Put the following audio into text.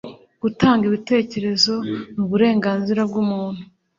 gutanga ibitekerezo nuburenganzira bwumuntu